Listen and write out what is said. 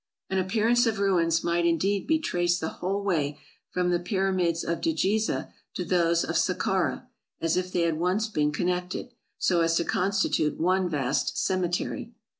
An appearance of ruins might indeed be traced the whole way from the Pyramids of Djiza to those of Sac cara, as if they had once been connected, so as to constitute one vast cemetery.